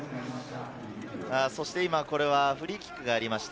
フリーキックがありました。